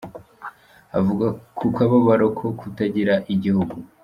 Avuga ku kababaro ko kutagira igihugu.